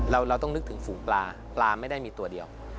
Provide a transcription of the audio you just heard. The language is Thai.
เราต้องนึกถึงฝูงปลาปลาไม่ได้มีตัวเดียว